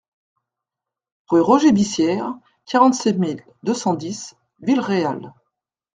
Rue Roger Bissière, quarante-sept mille deux cent dix Villeréal